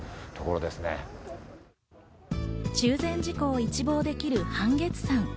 中禅寺湖を一望できる半月山。